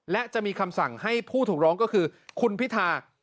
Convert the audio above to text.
และจะมีคำสั่งให้ผู้ถูกร้องก็คือคุณพิธา